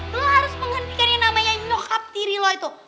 lo harus menghentikan yang namanya nyokap diri lo itu